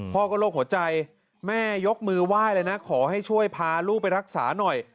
พ่อก็โรคหัวใจแม่ยกมือไหว้เลยนะขอให้ช่วยพาลูกไปรักษาหน่อย